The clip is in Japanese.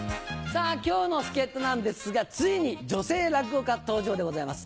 さぁ今日の助っ人なんですがついに女性落語家登場でございます。